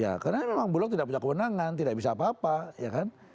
ya karena memang bulog tidak punya kewenangan tidak bisa apa apa ya kan